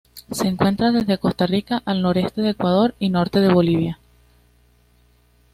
Se encuentra desde Costa Rica al noroeste de Ecuador y norte de Bolivia.